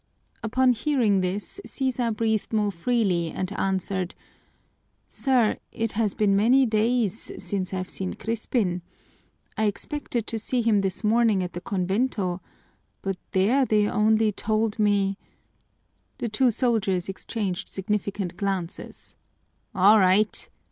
Upon hearing this Sisa breathed more freely and answered, "Sir, it has been many days since I've seen Crispin. I expected to see him this morning at the convento, but there they only told me " The two soldiers exchanged significant glances. "All right!"